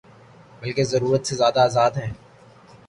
بلکہ ضرورت سے زیادہ آزاد ہے۔